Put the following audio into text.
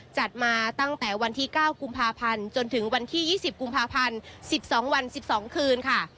จัดมาตั้งแต่วันที่๙กุมภาพันธ์จนถึงวันที่๒๐กุมภาพันธ์๑๒วัน๑๒คืนค่ะ